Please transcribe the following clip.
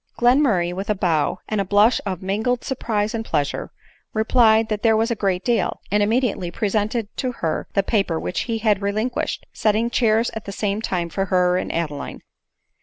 Glenmurray, with a bow, and a blush of mingled surprise and pleasure, replied that there was a great deal — and immediately presented to her the paper which he had relinquished, setting chairs at the same time for her and Adeline.